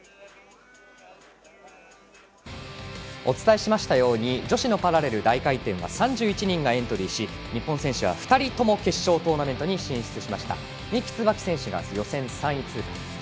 お伝えしましたように女子のパラレル大回転は３１人がエントリーし日本選手は２人とも決勝トーナメントに進出しました。